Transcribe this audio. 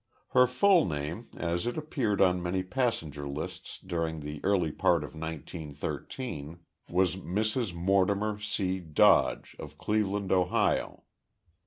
Her full name, as it appeared on many passenger lists during the early part of 1913, was Mrs. Mortimer C. Dodge, of Cleveland, Ohio.